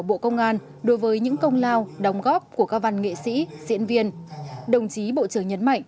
bộ công an đối với những công lao đóng góp của các văn nghệ sĩ diễn viên đồng chí bộ trưởng nhấn mạnh